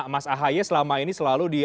mas ahaye selama ini selalu di